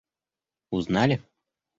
узнали